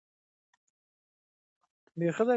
د بایسکل ډول یې پیني فارټېنګ و.